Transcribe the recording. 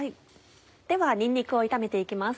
ではにんにくを炒めて行きます。